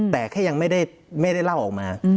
แต่แค่ยังไม่ได้เล่าออกมา